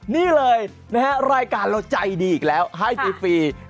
นี่เลยนะฮะรายการเราใจดีอีกแล้วให้ฟรี